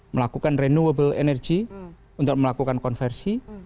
melakukan renewable energy untuk melakukan konversi